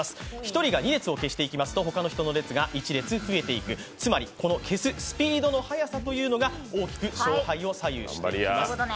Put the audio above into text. １人が２列を消していきますとほかの人の列が１列増えていく、つまり消すスピードの速さというのが大きく勝敗を左右してきます。